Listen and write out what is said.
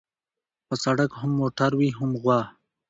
په سړک هم موټر وي هم غوا.